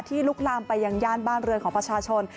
ลุกลามไปยังย่านบ้านเรือนของประชาชน